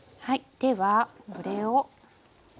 ではこれを。